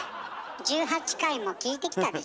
１８回も聞いてきたでしょ。